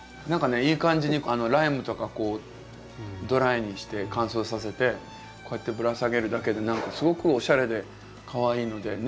何かねいい感じにライムとかこうドライにして乾燥させてこうやってぶら下げるだけで何かすごくおしゃれでかわいいので。